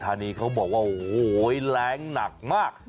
ทานีบอกว่าแหลงหนักมาก